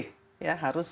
harus bisa menegakkan hukum